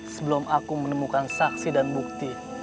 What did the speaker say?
sebelum aku menemukan saksi dan bukti